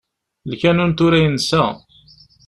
Lkanun tura yensa.